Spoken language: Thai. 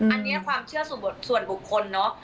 อันนี้ความเชื่อส่วนบุคคลเนอะ